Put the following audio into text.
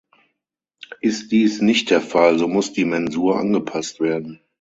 Ist dies nicht der Fall, so muss die Mensur angepasst werden.